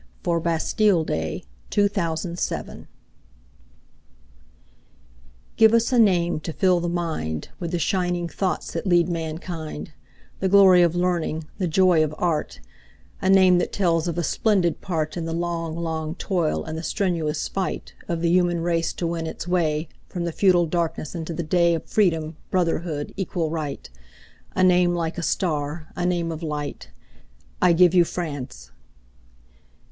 1917. Henry van Dyke The Name of France GIVE us a name to fill the mindWith the shining thoughts that lead mankind, The glory of learning, the joy of art,—A name that tells of a splendid partIn the long, long toil and the strenuous fightOf the human race to win its wayFrom the feudal darkness into the dayOf Freedom, Brotherhood, Equal Right,—A name like a star, a name of light.I give you France!